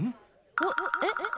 おっえっ？